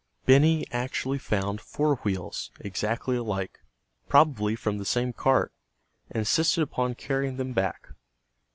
Benny actually found four wheels, exactly alike, probably from the same cart, and insisted upon carrying them back.